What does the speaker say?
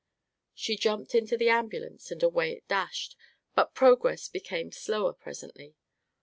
She jumped into the ambulance and away it dashed, but progress became slower presently.